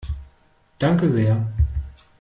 Danke sehr!